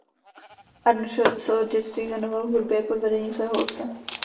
Arnošt se od dětství věnoval hudbě pod vedením svého otce.